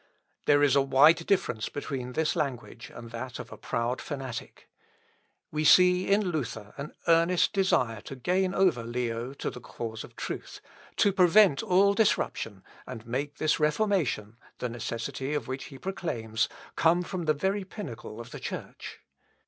There is a wide difference between this language and that of a proud fanatic. We see in Luther an earnest desire to gain over Leo to the cause of truth, to prevent all disruption, and make this reformation, the necessity of which he proclaims, come from the very pinnacle of the Church.